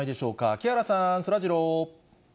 木原さん、そらジロー。